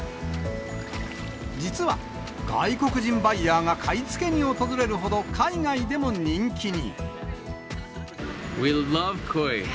実は、外国人バイヤーが買い付けに訪れるほど海外でも人気に。